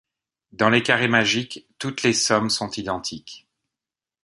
Dans les carrés magiques, toutes les sommes sont identiques.